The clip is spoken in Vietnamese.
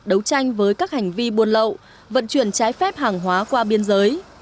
đấu tranh với các hành vi buôn lậu vận chuyển trái phép hàng hóa qua biên giới